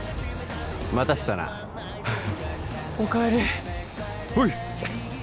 待たせたなお帰りほい！